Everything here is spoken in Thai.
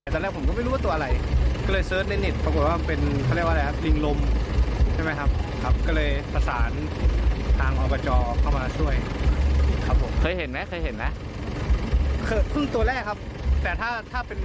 แต่ถ้าเป็นสนสันเขาเป็นเคยเห็น